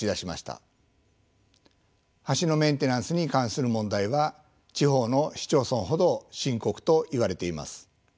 橋のメンテナンスに関する問題は地方の市町村ほど深刻と言われています。